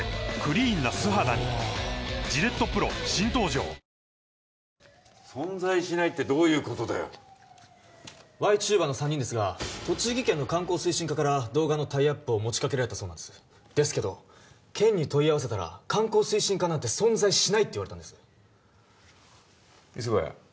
調教師存在しないってどういうことだよＹチューバーの３人ですが栃木県の観光推進課から動画のタイアップを持ちかけられたそうなんですですけど県に問い合わせたら観光推進課なんて存在しないって言われたんです磯ヶ谷